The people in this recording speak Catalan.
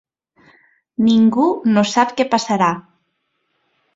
Ningú no sap què passarà.